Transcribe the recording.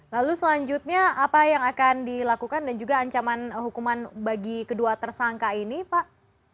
lalu selanjutnya apa yang akan dilakukan dan juga ancaman hukuman bagi kedua tersangka ini pak